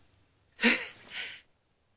えっ！？